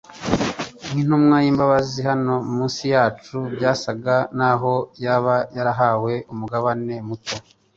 Nk'intumwa y'imbabazi hano mu isi yacu, byasaga n'aho yaba yarahawe umugabane muto